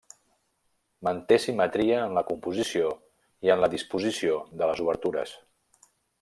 Manté simetria en la composició i en la disposició de les obertures.